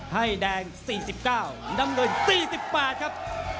ให้แดง๔๙น้ำเงิน๔๘ครับ